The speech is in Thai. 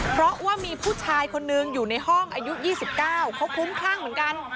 เพราะว่ามีผู้ชายคนนึงอยู่ในห้องอายุ๒๙เขาคุ้มคลั่งเหมือนกัน